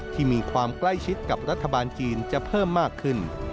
ที่มีความใกล้ชิดกับรัฐบาลจีนจะเพิ่มมากขึ้น